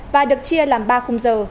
và được chia làm ba khung giờ